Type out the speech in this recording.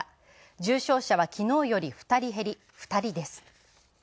重症者は昨日より２人減り２人です。